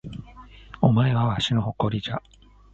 お前はわしの誇りじゃ